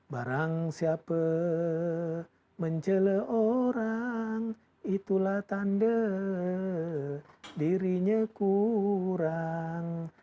barang siapa menjelek orang itulah tanda dirinya kurang